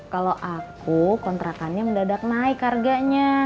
kalau aku kontrakannya mudah mudahan naik harganya